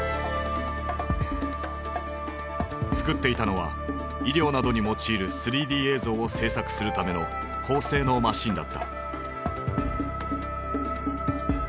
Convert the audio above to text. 作っていたのは医療などに用いる３Ｄ映像を制作するための高性能マシンだった。